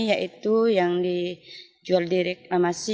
yaitu yang dijual di reklamasi